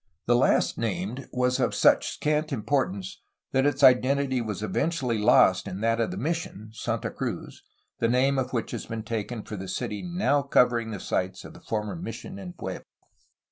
The last named was of such scant importance that its identity was eventually lost in that of the mission, Santa Cruz, the name of which has been taken for the city now covering the sites of the former mission and pueblo.